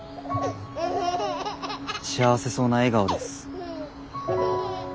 幸せそうな笑顔です。